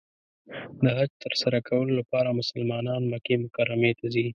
د حج تر سره کولو لپاره مسلمانان مکې مکرمې ته ځي .